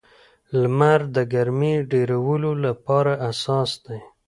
لمر د ګرمۍ ډېرولو لپاره اساس دی.